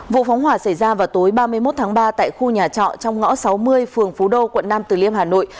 vụ phóng hỏa xảy ra vào tối ba mươi một tháng ba tại khu nhà trọ trong ngõ sáu mươi phường phú đô quận nam từ liêm hà nội